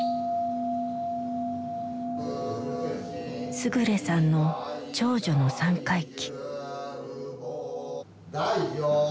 勝さんの長女の三回忌。